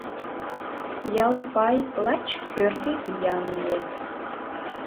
Ялпай лач кӧргӧ виян еҥ.